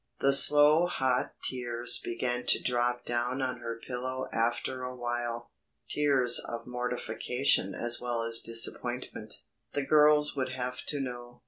The slow hot tears began to drop down on her pillow after awhile, tears of mortification as well as disappointment. The girls would have to know.